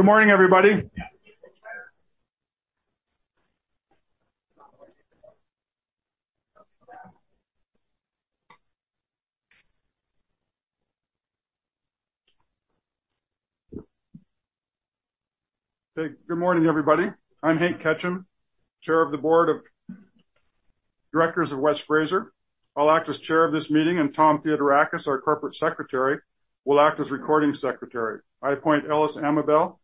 Good morning, everybody. Good morning, everybody. I'm Hank Ketcham, chair of the board of directors of West Fraser. I'll act as chair of this meeting, and Tom Theodorakis, our corporate secretary, will act as recording secretary. I appoint Ellis Amabel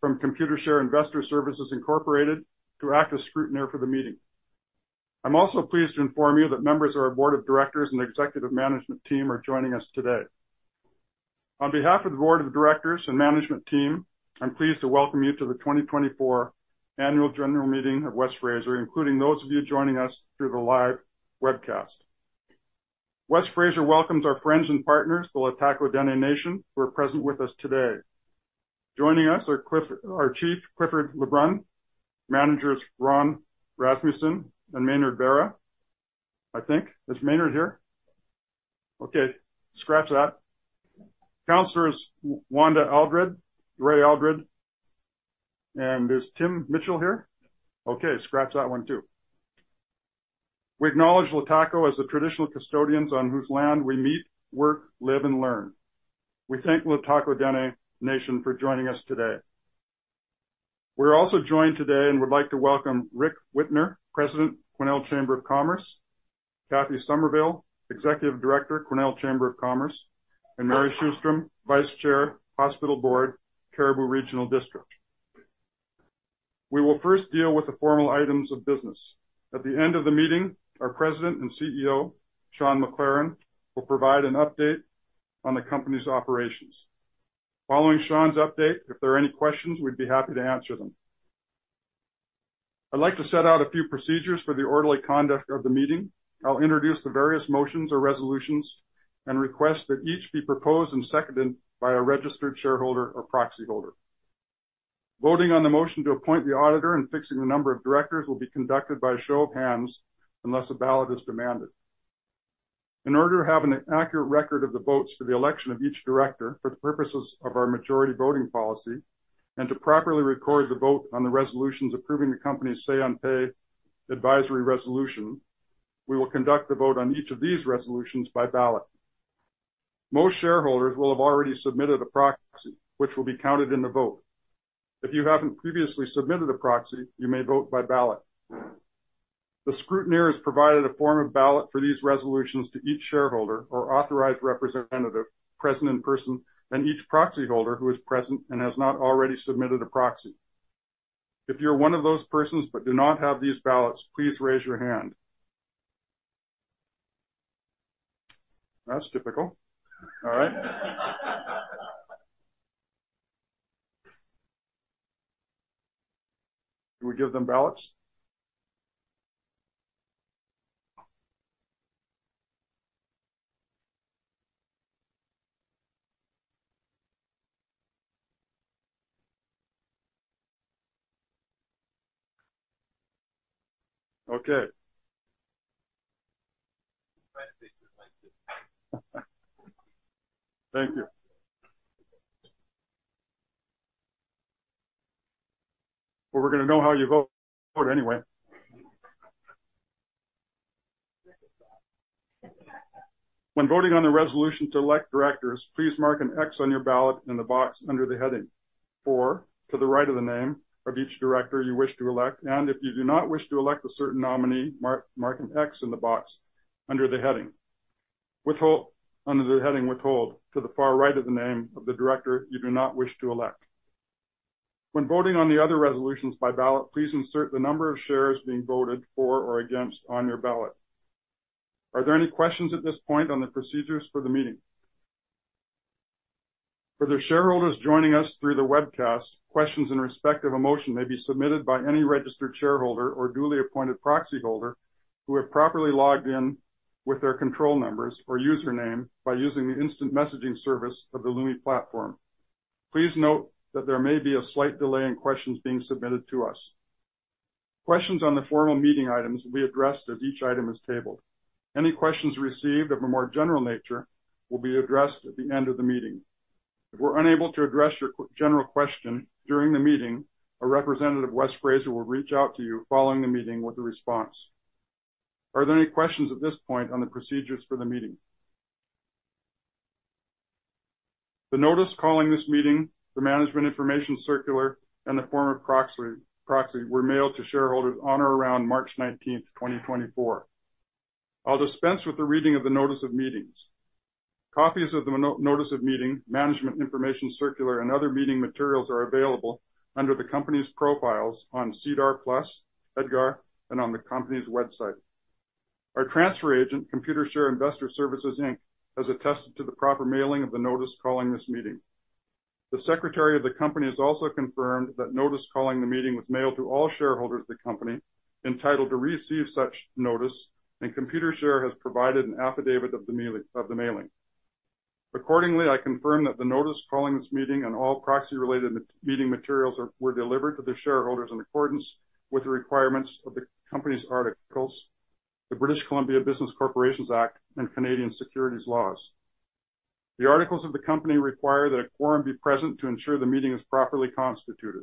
from Computershare Investor Services Incorporated to act as scrutineer for the meeting. I'm also pleased to inform you that members of our board of directors and executive management team are joining us today. On behalf of the board of directors and management team, I'm pleased to welcome you to the 2024 Annual General Meeting of West Fraser, including those of you joining us through the live webcast. West Fraser welcomes our friends and partners, the Lhtako Dene Nation, who are present with us today. Joining us are Cliff, our Chief, Clifford Lebrun, Managers Ron Rasmussen and Maynard Barra. I think. Is Maynard here? Okay, scratch that. Councilors Wanda Aldred, Ray Aldred, and is Tim Mitchell here? Okay, scratch that one, too. We acknowledge Lhtako as the traditional custodians on whose land we meet, work, live, and learn. We thank Lhtako Dene Nation for joining us today. We're also joined today and would like to welcome Rick Wittner, President, Quesnel Chamber of Commerce, Kathy Somerville, Executive Director, Quesnel Chamber of Commerce, and Mary Sjostrom, Vice Chair, Hospital Board, Cariboo Regional District. We will first deal with the formal items of business. At the end of the meeting, our President and CEO, Sean McLaren, will provide an update on the company's operations. Following Sean's update, if there are any questions, we'd be happy to answer them. I'd like to set out a few procedures for the orderly conduct of the meeting. I'll introduce the various motions or resolutions and request that each be proposed and seconded by a registered shareholder or proxyholder. Voting on the motion to appoint the auditor and fixing the number of directors will be conducted by a show of hands unless a ballot is demanded. In order to have an accurate record of the votes for the election of each director, for the purposes of our majority voting policy, and to properly record the vote on the resolutions approving the company's Say-on-Pay advisory resolution, we will conduct the vote on each of these resolutions by ballot. Most shareholders will have already submitted a proxy, which will be counted in the vote. If you haven't previously submitted a proxy, you may vote by ballot. The scrutineer has provided a form of ballot for these resolutions to each shareholder or authorized representative present in person, and each proxyholder who is present and has not already submitted a proxy. If you're one of those persons but do not have these ballots, please raise your hand. That's typical. All right. Do we give them ballots? Okay. Thank you. Well, we're gonna know how you vote anyway. When voting on the resolution to elect directors, please mark an X on your ballot in the box under the heading, "For," to the right of the name of each director you wish to elect, and if you do not wish to elect a certain nominee, mark, mark an X in the box under the heading, "Withhold" under the heading, "Withhold," to the far right of the name of the director you do not wish to elect. When voting on the other resolutions by ballot, please insert the number of shares being voted for or against on your ballot. Are there any questions at this point on the procedures for the meeting? For the shareholders joining us through the webcast, questions in respect of a motion may be submitted by any registered shareholder or duly appointed proxyholder who have properly logged in with their control numbers or username by using the instant messaging service of the Lumi platform. Please note that there may be a slight delay in questions being submitted to us. Questions on the formal meeting items will be addressed as each item is tabled. Any questions received of a more general nature will be addressed at the end of the meeting. If we're unable to address your general question during the meeting, a representative of West Fraser will reach out to you following the meeting with a response. Are there any questions at this point on the procedures for the meeting? The notice calling this meeting, the management information circular, and the form of proxy were mailed to shareholders on or around March 19, 2024. I'll dispense with the reading of the notice of meetings. Copies of the notice of meeting, management information circular, and other meeting materials are available under the company's profiles on SEDAR+, EDGAR, and on the company's website. Our transfer agent, Computershare Investor Services, Inc., has attested to the proper mailing of the notice calling this meeting. The secretary of the company has also confirmed that notice calling the meeting was mailed to all shareholders of the company entitled to receive such notice, and Computershare has provided an affidavit of the mailing, of the mailing. Accordingly, I confirm that the notice calling this meeting and all proxy-related meeting materials are, were delivered to the shareholders in accordance with the requirements of the company's articles, the British Columbia Business Corporations Act, and Canadian securities laws. The articles of the company require that a quorum be present to ensure the meeting is properly constituted.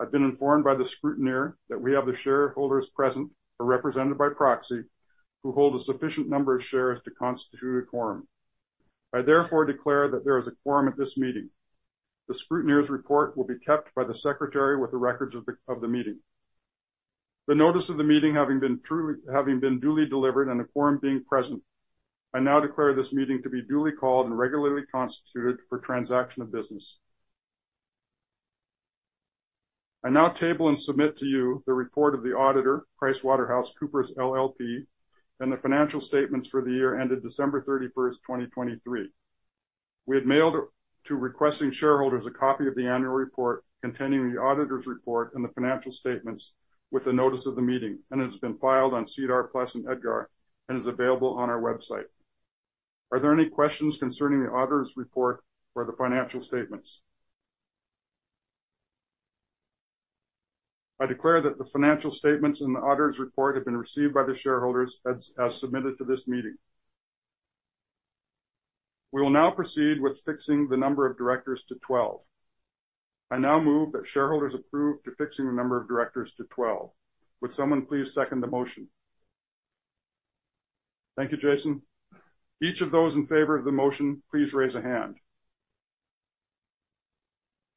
I've been informed by the scrutineer that we have the shareholders present or represented by proxy who hold a sufficient number of shares to constitute a quorum. I therefore declare that there is a quorum at this meeting. The scrutineer's report will be kept by the secretary with the records of the meeting. The notice of the meeting, having been duly delivered and a quorum being present, I now declare this meeting to be duly called and regularly constituted for transaction of business. I now table and submit to you the report of the auditor, PricewaterhouseCoopers LLP, and the financial statements for the year ended December 31, 2023. We had mailed to requesting shareholders a copy of the annual report containing the auditor's report and the financial statements with the notice of the meeting, and it has been filed on SEDAR+ and EDGAR, and is available on our website. Are there any questions concerning the auditor's report or the financial statements? I declare that the financial statements and the auditor's report have been received by the shareholders as submitted to this meeting. We will now proceed with fixing the number of directors to 12. I now move that shareholders approve to fixing the number of directors to 12. Would someone please second the motion? Thank you, Jason. Each of those in favor of the motion, please raise a hand.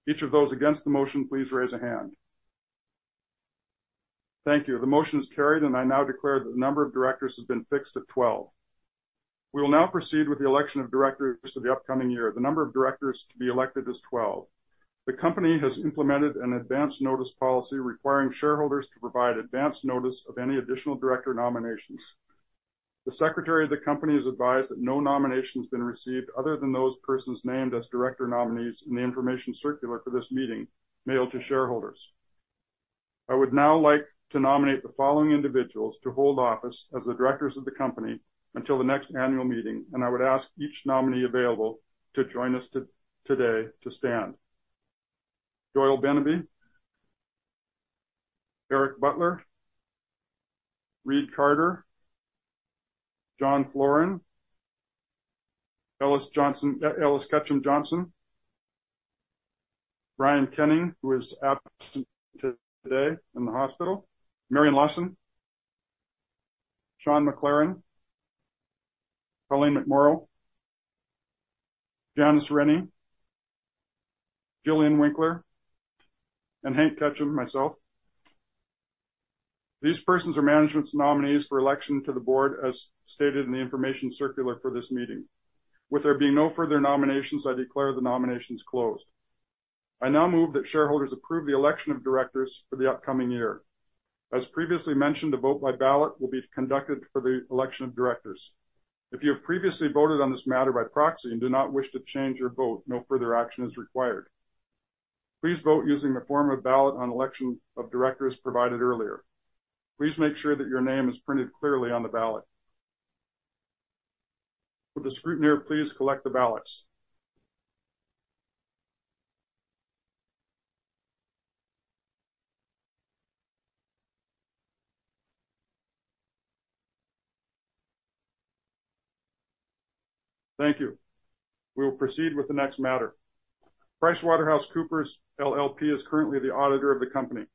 Each of those against the motion, please raise a hand. Thank you. The motion is carried, and I now declare that the number of directors has been fixed at 12. We will now proceed with the election of directors for the upcoming year. The number of directors to be elected is 12. The company has implemented an advanced notice policy requiring shareholders to provide advanced notice of any additional director nominations. The secretary of the company is advised that no nomination has been received other than those persons named as director nominees in the information circular for this meeting mailed to shareholders. I would now like to nominate the following individuals to hold office as the directors of the company until the next annual meeting, and I would ask each nominee available to join us today to stand. Doyle Beneby, Eric Butler, Reid Carter, John Floren, Ellis Ketcham Johnson, Brian Kenning, who is absent today in the hospital, Marian Lawson, Sean McLaren, Colleen McMorrow, Janice Rennie, Gillian Winckler, and Hank Ketcham, myself. These persons are management's nominees for election to the board, as stated in the information circular for this meeting. With there being no further nominations, I declare the nominations closed. I now move that shareholders approve the election of directors for the upcoming year. As previously mentioned, a vote by ballot will be conducted for the election of directors. If you have previously voted on this matter by proxy and do not wish to change your vote, no further action is required. Please vote using the form of ballot on election of directors provided earlier. Please make sure that your name is printed clearly on the ballot. Would the scrutineer please collect the ballots? Thank you. We will proceed with the next matter. PricewaterhouseCoopers LLP is currently the auditor of the company.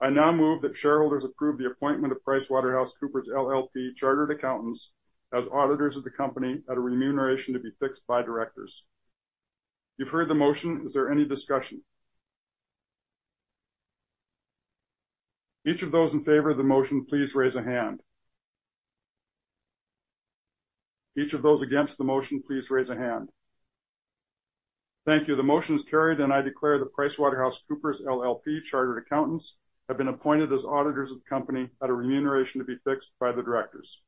I now move that shareholders approve the appointment of PricewaterhouseCoopers LLP, Chartered Accountants, as auditors of the company at a remuneration to be fixed by directors. You've heard the motion. Is there any discussion? Each of those in favor of the motion, please raise a hand. Each of those against the motion, please raise a hand. Thank you. The motion is carried, and I declare the PricewaterhouseCoopers LLP, Chartered Accountants, have been appointed as auditors of the company at a remuneration to be fixed by the directors.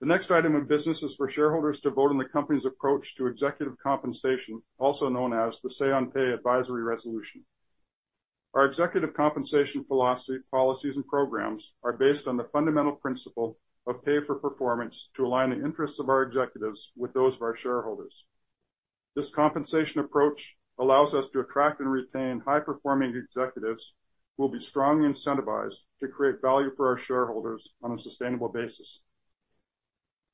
The next item of business is for shareholders to vote on the company's approach to executive compensation, also known as the Say-on-Pay advisory resolution. Our executive compensation philosophy, policies, and programs are based on the fundamental principle of pay for performance to align the interests of our executives with those of our shareholders. This compensation approach allows us to attract and retain high-performing executives who will be strongly incentivized to create value for our shareholders on a sustainable basis.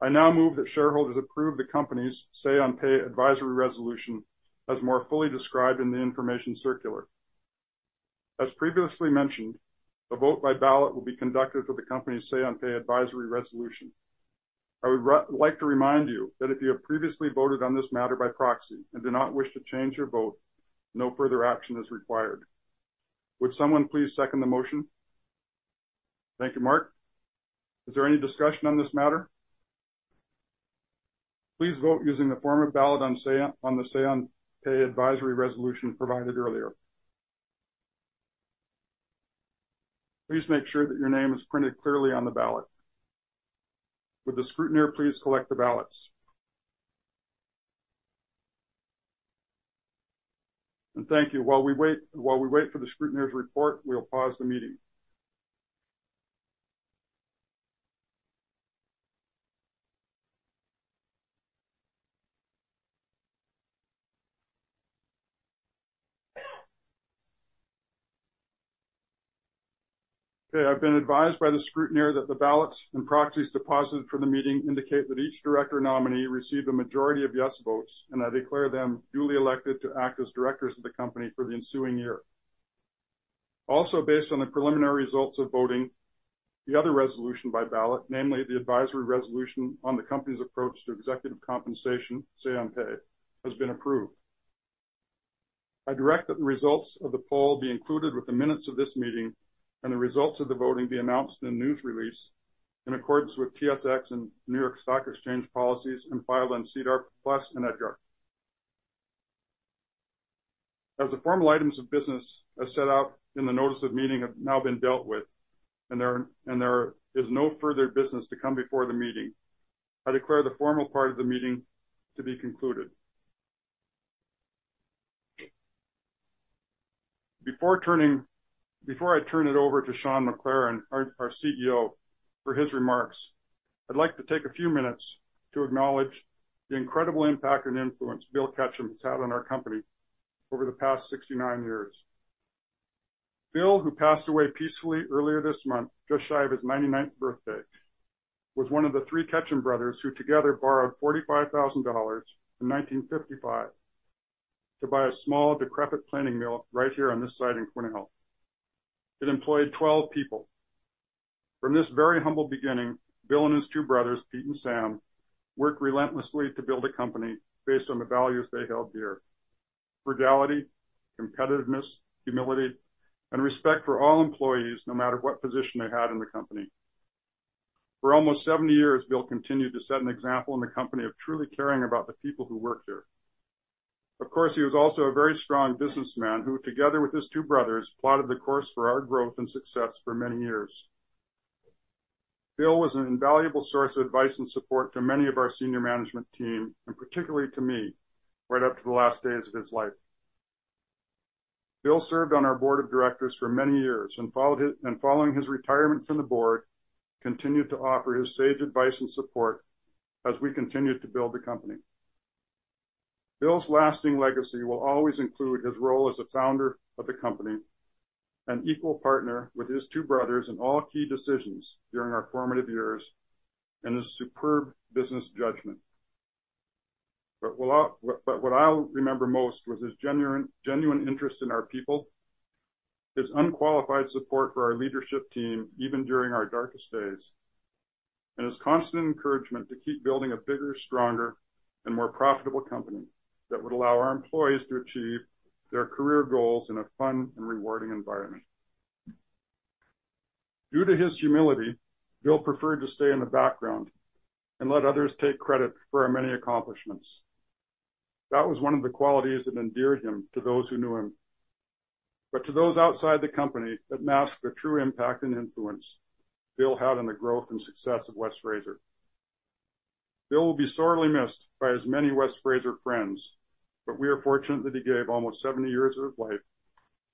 I now move that shareholders approve the company's Say-on-Pay advisory resolution as more fully described in the information circular. As previously mentioned, a vote by ballot will be conducted for the company's Say-on-Pay advisory resolution. I would like to remind you that if you have previously voted on this matter by proxy and do not wish to change your vote, no further action is required. Would someone please second the motion? Thank you, Mark. Is there any discussion on this matter? Please vote using the form of ballot on the Say-on-Pay advisory resolution provided earlier. Please make sure that your name is printed clearly on the ballot. Would the scrutineer please collect the ballots? Thank you. While we wait, while we wait for the scrutineer's report, we'll pause the meeting.... Okay, I've been advised by the scrutineer that the ballots and proxies deposited for the meeting indicate that each director nominee received a majority of yes votes, and I declare them duly elected to act as directors of the company for the ensuing year. Also, based on the preliminary results of voting, the other resolution by ballot, namely the advisory resolution on the company's approach to executive compensation, say on pay, has been approved. I direct that the results of the poll be included with the minutes of this meeting, and the results of the voting be announced in a news release in accordance with TSX and New York Stock Exchange policies, and filed on SEDAR+ and EDGAR. As the formal items of business, as set out in the notice of meeting, have now been dealt with, and there is no further business to come before the meeting, I declare the formal part of the meeting to be concluded. Before I turn it over to Sean McLaren, our CEO, for his remarks, I'd like to take a few minutes to acknowledge the incredible impact and influence Bill Ketcham has had on our company over the past 69 years. Bill, who passed away peacefully earlier this month, just shy of his 99th birthday, was one of the three Ketcham brothers who together borrowed $45,000 in 1955 to buy a small, decrepit planing mill right here on this site in Quesnel. It employed 12 people. From this very humble beginning, Bill and his two brothers, Pete and Sam, worked relentlessly to build a company based on the values they held dear: frugality, competitiveness, humility, and respect for all employees, no matter what position they had in the company. For almost 70 years, Bill continued to set an example in the company of truly caring about the people who worked here. Of course, he was also a very strong businessman, who, together with his two brothers, plotted the course for our growth and success for many years. Bill was an invaluable source of advice and support to many of our senior management team, and particularly to me, right up to the last days of his life. Bill served on our board of directors for many years, and following his retirement from the board, continued to offer his sage advice and support as we continued to build the company. Bill's lasting legacy will always include his role as a founder of the company, an equal partner with his two brothers in all key decisions during our formative years, and his superb business judgment. But what I'll remember most was his genuine, genuine interest in our people, his unqualified support for our leadership team, even during our darkest days, and his constant encouragement to keep building a bigger, stronger, and more profitable company that would allow our employees to achieve their career goals in a fun and rewarding environment. Due to his humility, Bill preferred to stay in the background and let others take credit for our many accomplishments. That was one of the qualities that endeared him to those who knew him. But to those outside the company, that masked the true impact and influence Bill had on the growth and success of West Fraser. Bill will be sorely missed by his many West Fraser friends, but we are fortunate that he gave almost 70 years of his life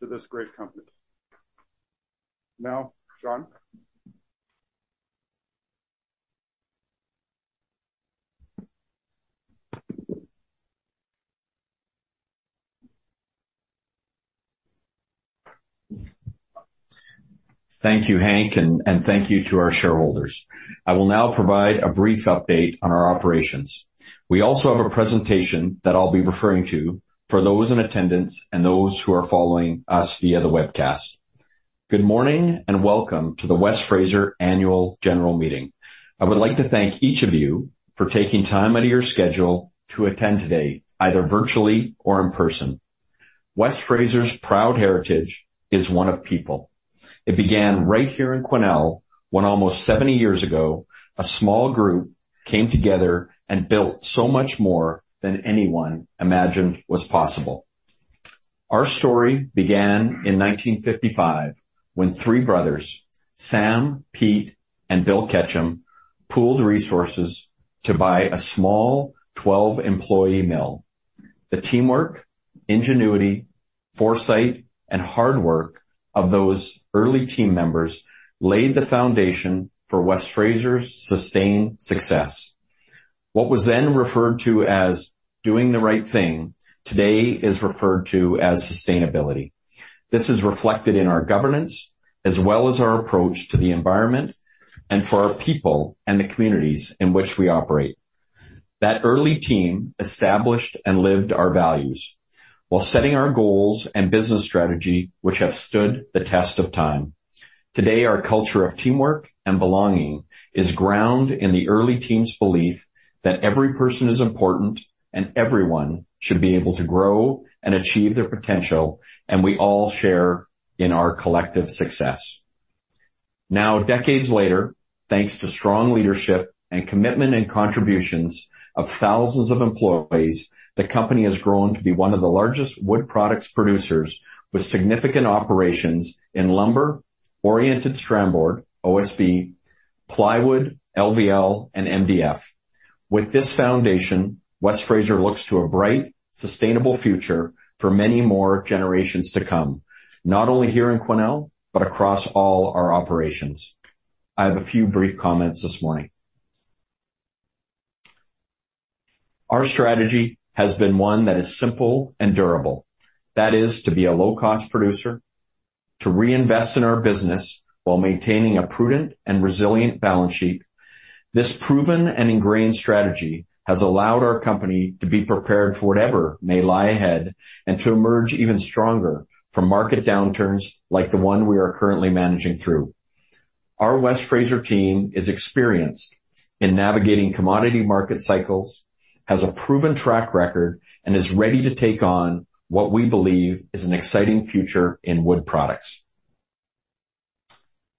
to this great company. Now, Sean. Thank you, Hank, and thank you to our shareholders. I will now provide a brief update on our operations. We also have a presentation that I'll be referring to for those in attendance and those who are following us via the webcast. Good morning, and welcome to the West Fraser Annual General Meeting. I would like to thank each of you for taking time out of your schedule to attend today, either virtually or in person. West Fraser's proud heritage is one of people. It began right here in Quesnel, when almost 70 years ago, a small group came together and built so much more than anyone imagined was possible. Our story began in 1955, when three brothers, Sam, Pete, and Bill Ketcham, pooled resources to buy a small 12-employee mill. The teamwork, ingenuity, foresight, and hard work of those early team members laid the foundation for West Fraser's sustained success. What was then referred to as doing the right thing, today is referred to as sustainability. This is reflected in our governance, as well as our approach to the environment and for our people and the communities in which we operate. That early team established and lived our values while setting our goals and business strategy, which have stood the test of time. Today, our culture of teamwork and belonging is grounded in the early team's belief that every person is important, and everyone should be able to grow and achieve their potential, and we all share in our collective success. Now, decades later, thanks to strong leadership and commitment and contributions of thousands of employees, the company has grown to be one of the largest wood products producers, with significant operations in lumber, oriented strand board, OSB, plywood, LVL, and MDF. With this foundation, West Fraser looks to a bright, sustainable future for many more generations to come, not only here in Quesnel, but across all our operations. I have a few brief comments this morning. Our strategy has been one that is simple and durable. That is, to be a low-cost producer, to reinvest in our business while maintaining a prudent and resilient balance sheet. This proven and ingrained strategy has allowed our company to be prepared for whatever may lie ahead and to emerge even stronger from market downturns like the one we are currently managing through. Our West Fraser team is experienced in navigating commodity market cycles, has a proven track record, and is ready to take on what we believe is an exciting future in wood products.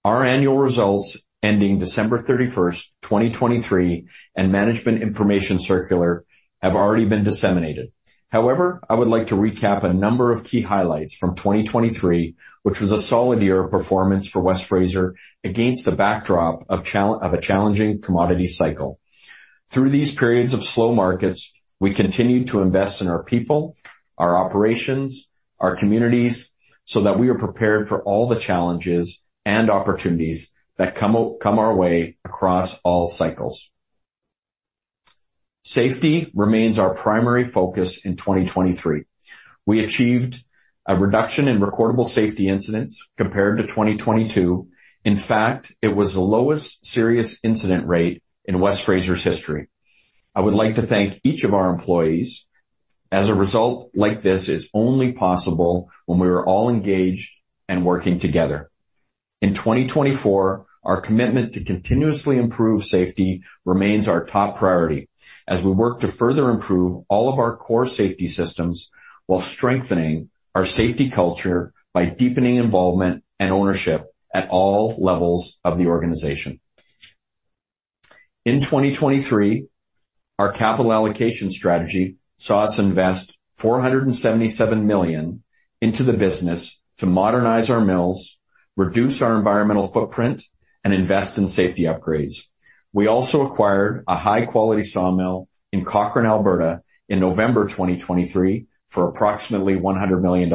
Our annual results ending December 31st, 2023, and Management Information Circular have already been disseminated. However, I would like to recap a number of key highlights from 2023, which was a solid year of performance for West Fraser against the backdrop of a challenging commodity cycle. Through these periods of slow markets, we continued to invest in our people, our operations, our communities, so that we are prepared for all the challenges and opportunities that come our way across all cycles. Safety remains our primary focus in 2023. We achieved a reduction in recordable safety incidents compared to 2022. In fact, it was the lowest serious incident rate in West Fraser's history. I would like to thank each of our employees, as a result like this is only possible when we are all engaged and working together. In 2024, our commitment to continuously improve safety remains our top priority as we work to further improve all of our core safety systems while strengthening our safety culture by deepening involvement and ownership at all levels of the organization. In 2023, our capital allocation strategy saw us invest $477 million into the business to modernize our mills, reduce our environmental footprint, and invest in safety upgrades. We also acquired a high-quality sawmill in Cochrane, Alberta, in November 2023 for approximately $100 million.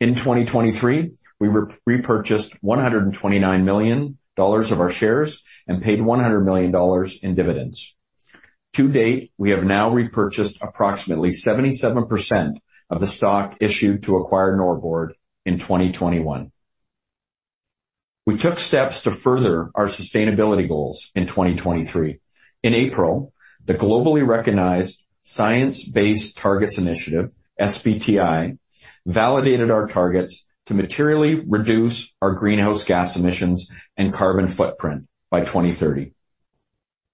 In 2023, we repurchased $129 million of our shares and paid $100 million in dividends. To date, we have now repurchased approximately 77% of the stock issued to acquire Norbord in 2021. We took steps to further our sustainability goals in 2023. In April, the globally recognized Science-Based Targets initiative, SBTi, validated our targets to materially reduce our greenhouse gas emissions and carbon footprint by 2030.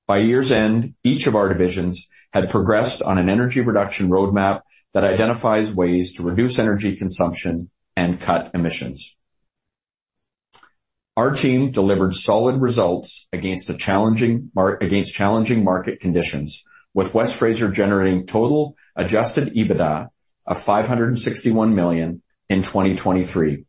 By year's end, each of our divisions had progressed on an energy reduction roadmap that identifies ways to reduce energy consumption and cut emissions. Our team delivered solid results against challenging market conditions, with West Fraser generating total adjusted EBITDA of $561 million in 2023.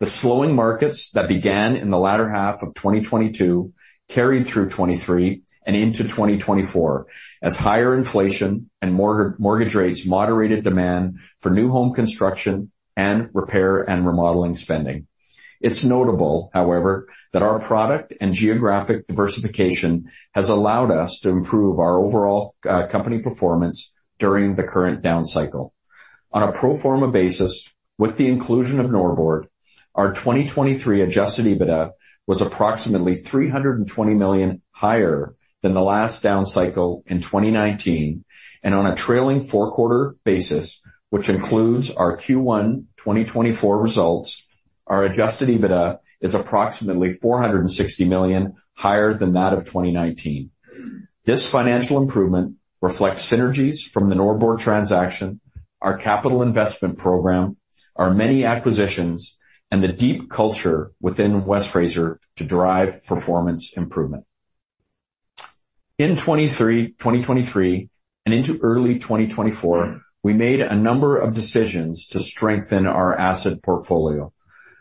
The slowing markets that began in the latter half of 2022 carried through 2023 and into 2024, as higher inflation and mortgage rates moderated demand for new home construction and repair and remodeling spending. It's notable, however, that our product and geographic diversification has allowed us to improve our overall company performance during the current down cycle. On a pro forma basis, with the inclusion of Norbord, our 2023 adjusted EBITDA was approximately $320 million higher than the last down cycle in 2019, and on a trailing four-quarter basis, which includes our Q1 2024 results, our adjusted EBITDA is approximately $460 million higher than that of 2019. This financial improvement reflects synergies from the Norbord transaction, our capital investment program, our many acquisitions, and the deep culture within West Fraser to drive performance improvement. In 2023 and into early 2024, we made a number of decisions to strengthen our asset portfolio.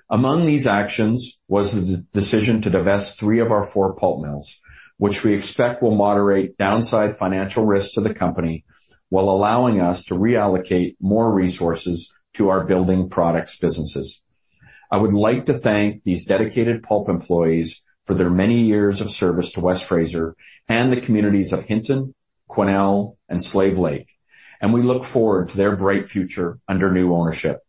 Among these actions was the decision to divest three of our four pulp mills, which we expect will moderate downside financial risks to the company, while allowing us to reallocate more resources to our building products businesses. I would like to thank these dedicated pulp employees for their many years of service to West Fraser and the communities of Hinton, Quesnel, and Slave Lake, and we look forward to their bright future under new ownership.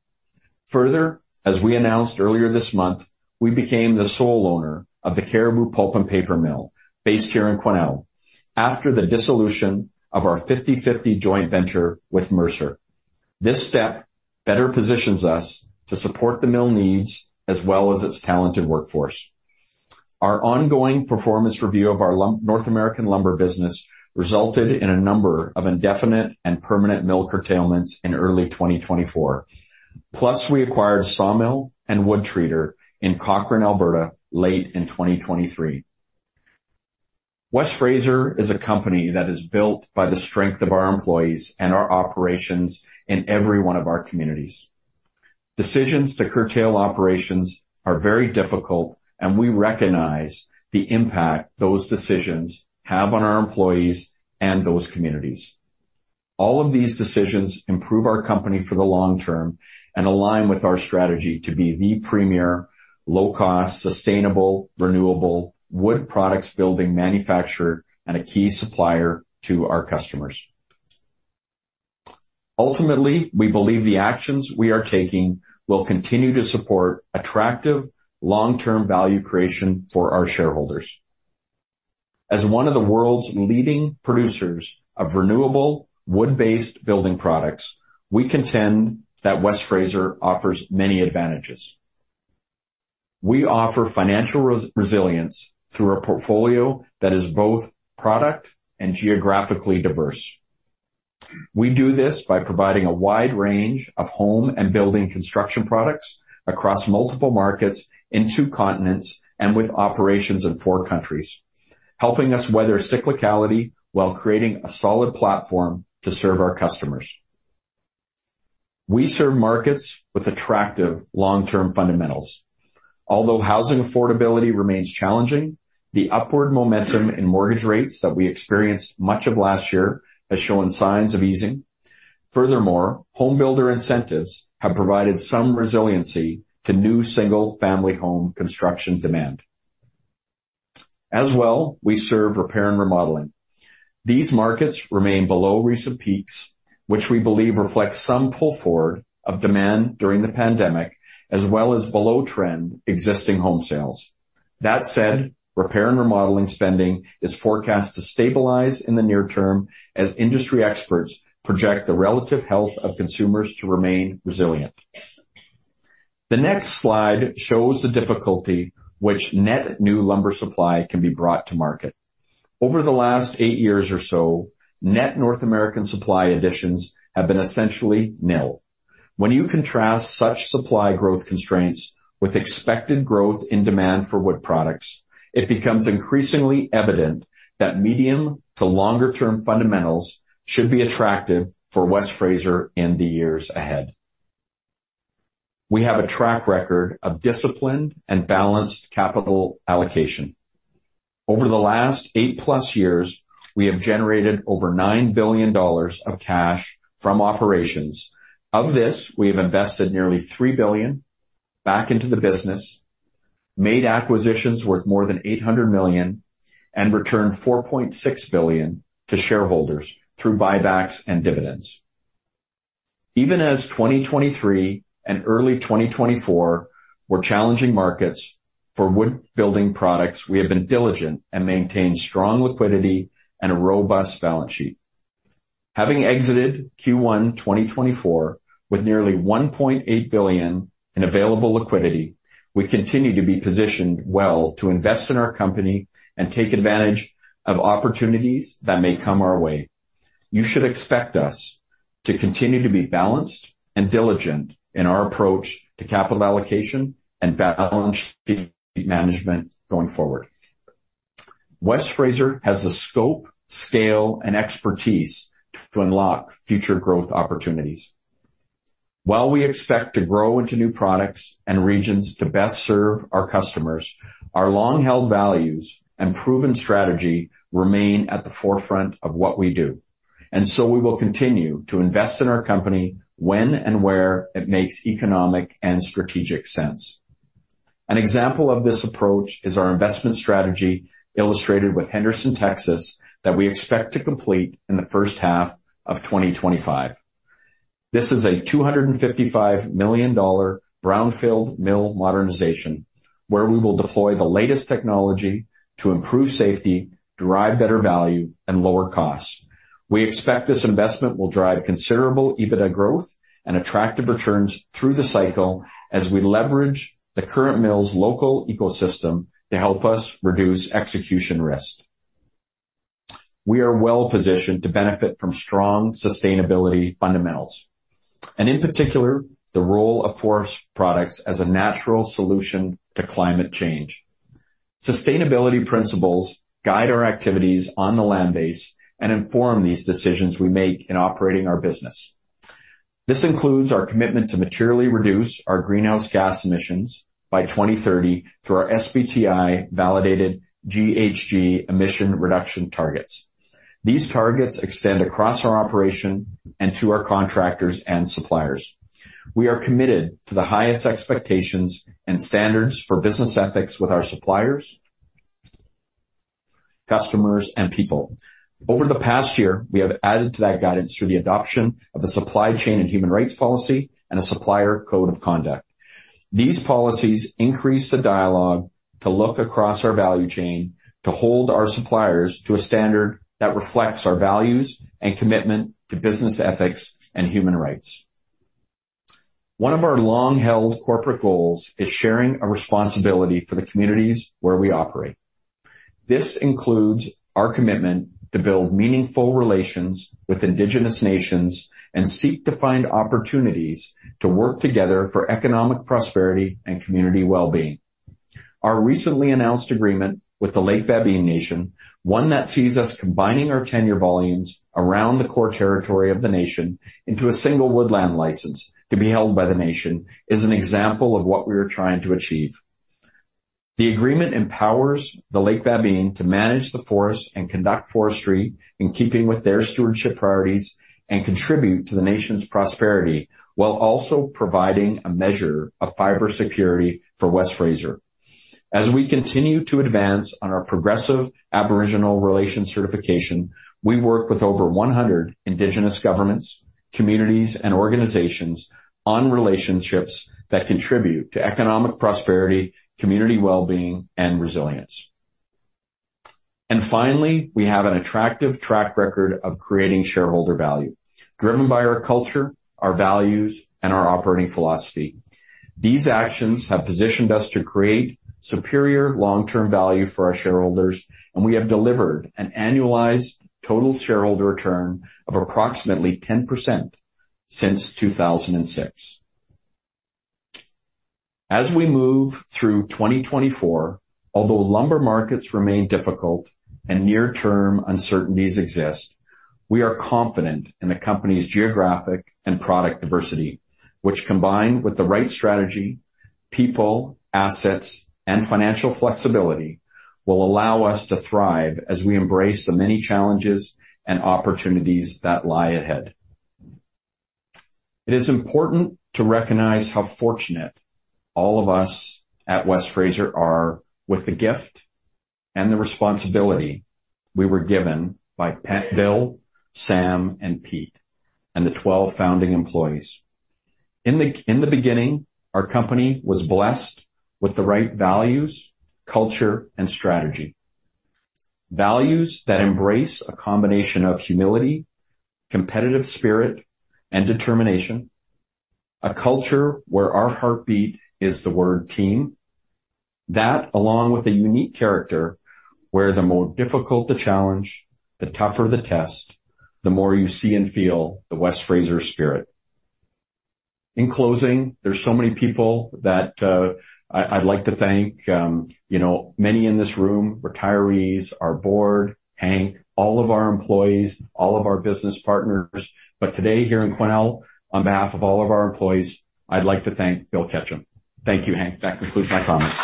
Further, as we announced earlier this month, we became the sole owner of the Cariboo Pulp and Paper Mill, based here in Quesnel, after the dissolution of our 50/50 joint venture with Mercer. This step better positions us to support the mill needs as well as its talented workforce. Our ongoing performance review of our North American lumber business resulted in a number of indefinite and permanent mill curtailments in early 2024. Plus, we acquired a sawmill and wood treater in Cochrane, Alberta, late in 2023. West Fraser is a company that is built by the strength of our employees and our operations in every one of our communities. Decisions to curtail operations are very difficult, and we recognize the impact those decisions have on our employees and those communities. All of these decisions improve our company for the long term and align with our strategy to be the premier, low-cost, sustainable, renewable wood products building manufacturer and a key supplier to our customers. Ultimately, we believe the actions we are taking will continue to support attractive long-term value creation for our shareholders. As one of the world's leading producers of renewable wood-based building products, we contend that West Fraser offers many advantages. We offer financial resilience through a portfolio that is both product and geographically diverse. We do this by providing a wide range of home and building construction products across multiple markets in two continents and with operations in four countries, helping us weather cyclicality while creating a solid platform to serve our customers. We serve markets with attractive long-term fundamentals. Although housing affordability remains challenging, the upward momentum in mortgage rates that we experienced much of last year has shown signs of easing. Furthermore, home builder incentives have provided some resiliency to new single-family home construction demand. As well, we serve repair and remodeling. These markets remain below recent peaks, which we believe reflects some pull-forward of demand during the pandemic, as well as below-trend existing home sales. That said, repair and remodeling spending is forecast to stabilize in the near term as industry experts project the relative health of consumers to remain resilient. The next slide shows the difficulty which net new lumber supply can be brought to market. Over the last 8 years or so, net North American supply additions have been essentially nil. When you contrast such supply growth constraints with expected growth in demand for wood products, it becomes increasingly evident that medium- to longer-term fundamentals should be attractive for West Fraser in the years ahead. We have a track record of disciplined and balanced capital allocation. Over the last 8+ years, we have generated over $9 billion of cash from operations. Of this, we have invested nearly $3 billion back into the business, made acquisitions worth more than $800 million, and returned $4.6 billion to shareholders through buybacks and dividends. Even as 2023 and early 2024 were challenging markets for wood building products, we have been diligent and maintained strong liquidity and a robust balance sheet. Having exited Q1 2024 with nearly $1.8 billion in available liquidity, we continue to be positioned well to invest in our company and take advantage of opportunities that may come our way. You should expect us to continue to be balanced and diligent in our approach to capital allocation and balance sheet management going forward. West Fraser has the scope, scale, and expertise to unlock future growth opportunities. While we expect to grow into new products and regions to best serve our customers, our long-held values and proven strategy remain at the forefront of what we do, and so we will continue to invest in our company when and where it makes economic and strategic sense. An example of this approach is our investment strategy, illustrated with Henderson, Texas, that we expect to complete in the first half of 2025. This is a $255 million brownfield mill modernization, where we will deploy the latest technology to improve safety, drive better value, and lower costs. We expect this investment will drive considerable EBITDA growth and attractive returns through the cycle as we leverage the current mill's local ecosystem to help us reduce execution risk. We are well positioned to benefit from strong sustainability fundamentals, and in particular, the role of forest products as a natural solution to climate change. Sustainability principles guide our activities on the land base and inform these decisions we make in operating our business. This includes our commitment to materially reduce our greenhouse gas emissions by 2030 through our SBTi-validated GHG emission reduction targets. These targets extend across our operation and to our contractors and suppliers. We are committed to the highest expectations and standards for business ethics with our suppliers, customers, and people. Over the past year, we have added to that guidance through the adoption of a supply chain and human rights policy and a supplier code of conduct. These policies increase the dialogue to look across our value chain, to hold our suppliers to a standard that reflects our values and commitment to business ethics and human rights. One of our long-held corporate goals is sharing a responsibility for the communities where we operate. This includes our commitment to build meaningful relations with Indigenous nations and seek to find opportunities to work together for economic prosperity and community well-being. Our recently announced agreement with the Lake Babine Nation, one that sees us combining our tenure volumes around the core territory of the nation into a single woodland license to be held by the nation, is an example of what we are trying to achieve.... The agreement empowers the Lake Babine to manage the forest and conduct forestry in keeping with their stewardship priorities and contribute to the nation's prosperity, while also providing a measure of fiber security for West Fraser. As we continue to advance on our Progressive Aboriginal Relations certification, we work with over 100 Indigenous governments, communities, and organizations on relationships that contribute to economic prosperity, community well-being, and resilience. And finally, we have an attractive track record of creating shareholder value, driven by our culture, our values, and our operating philosophy. These actions have positioned us to create superior long-term value for our shareholders, and we have delivered an annualized total shareholder return of approximately 10% since 2006. As we move through 2024, although lumber markets remain difficult and near-term uncertainties exist, we are confident in the company's geographic and product diversity, which, combined with the right strategy, people, assets, and financial flexibility, will allow us to thrive as we embrace the many challenges and opportunities that lie ahead. It is important to recognize how fortunate all of us at West Fraser are with the gift and the responsibility we were given by Pat, Bill, Sam, and Pete, and the 12 founding employees. In the beginning, our company was blessed with the right values, culture, and strategy. Values that embrace a combination of humility, competitive spirit, and determination. A culture where our heartbeat is the word team. That, along with a unique character, where the more difficult the challenge, the tougher the test, the more you see and feel the West Fraser spirit. In closing, there's so many people that, I, I'd like to thank, you know, many in this room, retirees, our board, Hank, all of our employees, all of our business partners. But today, here in Quesnel, on behalf of all of our employees, I'd like to thank Bill Ketcham. Thank you, Hank. That concludes my comments.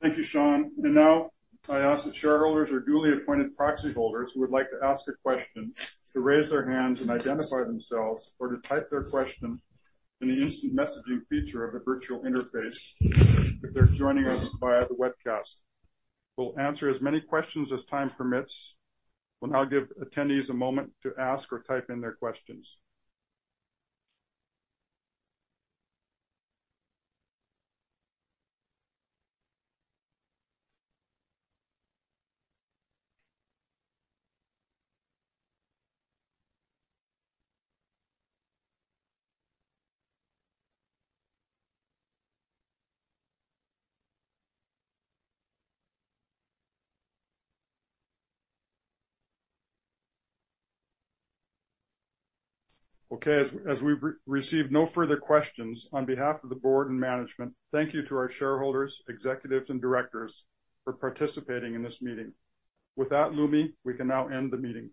Thank you, Sean. Now I ask that shareholders or duly appointed proxy holders who would like to ask a question to raise their hands and identify themselves, or to type their question in the instant messaging feature of the virtual interface if they're joining us via the webcast. We'll answer as many questions as time permits. We'll now give attendees a moment to ask or type in their questions. Okay, as we've received no further questions, on behalf of the board and management, thank you to our shareholders, executives, and directors for participating in this meeting. With that, Lumi, we can now end the meeting.